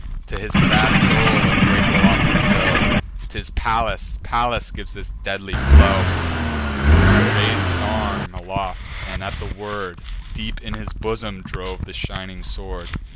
To his sad soul a grateful off'ring go! 'Tis Pallas, Pallas gives this deadly blow." He rais'd his arm aloft, and, at the word, Deep in his bosom drove the shining sword.